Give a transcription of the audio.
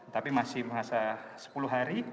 tapi masih masa sepuluh hari